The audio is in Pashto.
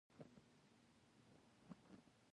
سپین ږیری د حکمت سرچینه ده